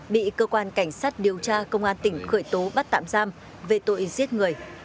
bị cơ quan cảnh sát điều tra công an tỉnh khởi tố bắt tạm giam về tội giết người